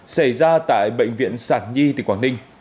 xảy ra tại bệnh viện sản nhi tỉnh quảng ninh